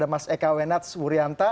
mas eka wenats wuryanta